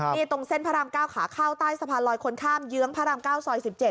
นี่ตรงเส้นพระราม๙ขาเข้าใต้สะพานลอยคนข้ามเยื้องพระราม๙ซอย๑๗